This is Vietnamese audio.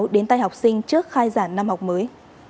đến tay học sinh trước khai giảng năm học mới